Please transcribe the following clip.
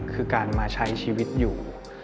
คือการมาใช้ชีวิตอยู่